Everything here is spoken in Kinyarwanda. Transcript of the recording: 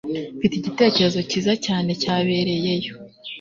Mfite igitekerezo cyiza cyane cyabereyeyo